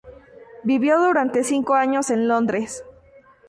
Vivió durante cinco años en Londres.